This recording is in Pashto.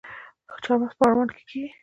چارمغز په پروان کې کیږي